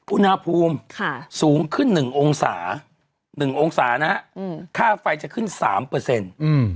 อุณหภูมิสูงขึ้น๑องศานะฮะค่าไฟจะขึ้น๓เปอร์เซ็นต์